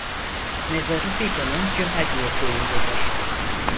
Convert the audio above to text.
Mezarı Biga'nın Cihadiye köyündedir.